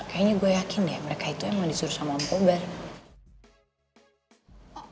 kayanya gue yakin ya mereka itu emang disuruh sama om cobra